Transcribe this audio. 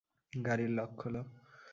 গাড়ির লক খোলো।